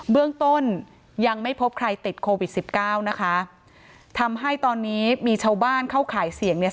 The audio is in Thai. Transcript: เบื้องต้นยังไม่พบใครติดโควิดสิบเก้านะคะทำให้ตอนนี้มีชาวบ้านเข้าข่ายเสี่ยงเนี่ย